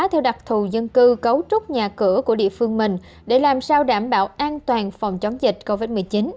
theo đặc thù dân cư cấu trúc nhà cửa của địa phương mình để làm sao đảm bảo an toàn phòng chống dịch covid một mươi chín